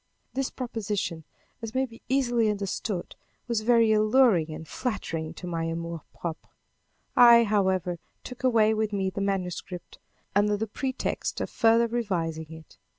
This proposition, as may be easily understood, was very alluring and flattering to my amour propre. I, however, took away with me the manuscript, under the pretext of further revising it.